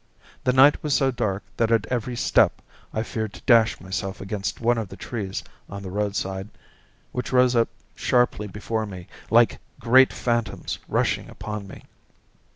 The night was so dark that at every step I feared to dash myself against one of the trees on the roadside, which rose up sharply before me like great phantoms rushing upon me.